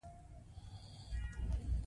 ما وویل: هر خبر چې وي، په ښار کې څه کیسې دي.